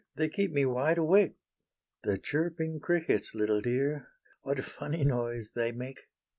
They keep me wide awake." "The chirping crickets, little dear; What funny noise they make!"